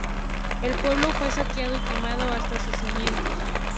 El pueblo fue saqueado y quemado hasta sus cimientos.